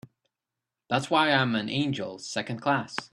That's why I'm an angel Second Class.